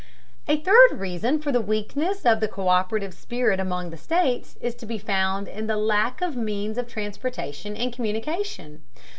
A third reason for the weakness of the co÷perative spirit among the states is to be found in the lack of means of transportation and communication.